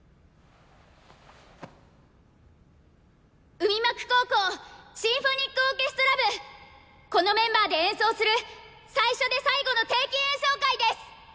海幕高校シンフォニックオーケストラ部このメンバーで演奏する最初で最後の定期演奏会です。